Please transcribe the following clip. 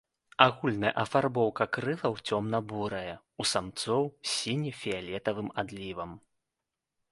Агульная афарбоўка крылаў цёмна-бурая, у самцоў з сіне-фіялетавым адлівам.